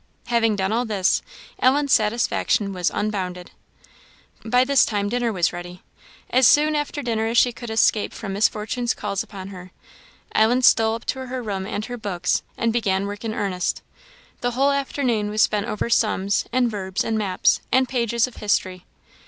Having done all this, Ellen's satisfaction was unbounded. By this time dinner was ready. As soon after dinner as she could escape from Miss Fortunes's calls upon her, Ellen stole up to her room and her books, and began work in earnest. The whole afternoon was spent over sums, and verbs, and maps, and pages of history.